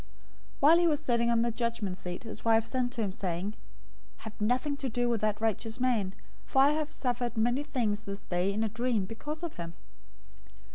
027:019 While he was sitting on the judgment seat, his wife sent to him, saying, "Have nothing to do with that righteous man, for I have suffered many things this day in a dream because of him."